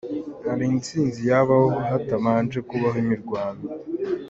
Hari intsinzi yabaho hatabanje kubaho imirwano ?